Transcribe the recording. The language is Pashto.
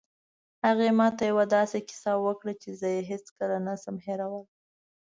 هغې ما ته یوه داسې کیسه وکړه چې زه یې هېڅکله نه شم هیرولی